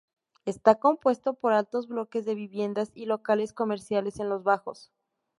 Está compuesto por altos bloques de viviendas y locales comerciales en los bajos.